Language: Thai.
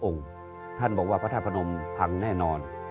๓๐๐องค์ท่านบอกว่าพระท่านพระนมภังแน่นอน